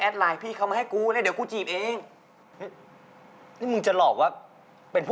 เออถ้ากูช่วยได้ก็จะช่วยเว้ย